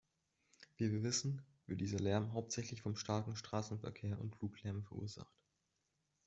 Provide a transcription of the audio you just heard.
Wie wir wissen, wird dieser Lärm hauptsächlich vom starken Straßenverkehr und Fluglärm verursacht.